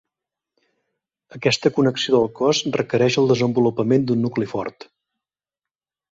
Aquesta connexió del cos requereix el desenvolupament d"un nucli fort.